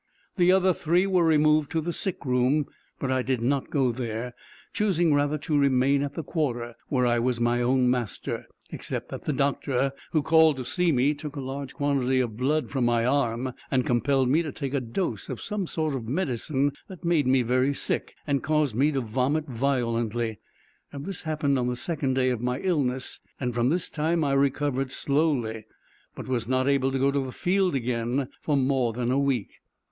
The other three were removed to the sick room; but I did not go there, choosing rather to remain at the quarter, where I was my own master, except that the doctor, who called to see me, took a large quantity of blood from my arm, and compelled me to take a dose of some sort of medicine that made me very sick, and caused me to vomit violently. This happened on the second day of my illness, and from this time I recovered slowly, but was not able to go to the field again for more than a week.